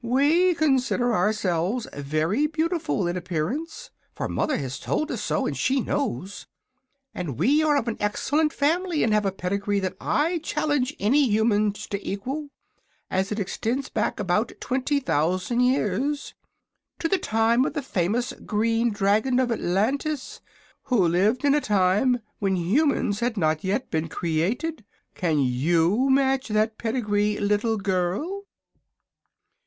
We consider ourselves very beautiful in appearance, for mother has told us so, and she knows. And we are of an excellent family and have a pedigree that I challenge any humans to equal, as it extends back about twenty thousand years, to the time of the famous Green Dragon of Atlantis, who lived in a time when humans had not yet been created. Can you match that pedigree, little girl?"